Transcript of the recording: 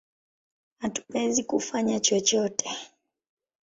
Hatuwezi kufanya chochote!